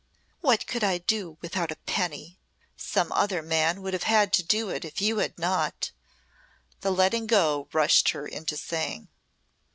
"What could I do without a penny? Some other man would have had to do it if you had not," the letting go rushed her into saying.